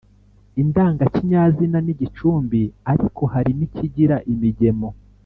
indangakinyazina n’igicumbi, ariko hari n’ikigira imigemo